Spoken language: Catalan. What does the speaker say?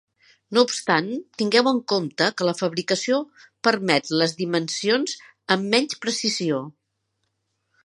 No obstant, tingueu en compte que la fabricació permet les dimensions amb menys precisió.